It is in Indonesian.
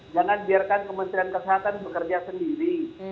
jangan biarkan kementerian kesehatan bekerja sendiri